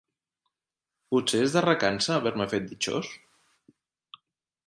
Potser es de recança d'haver-me fet ditxós?